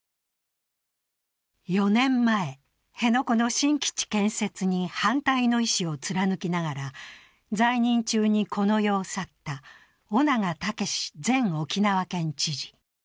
４年前、辺野古の新基地建設に反対の意思を示しながら在任中にこの世を去った翁長雄志前沖縄県知事。